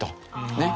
ねっ。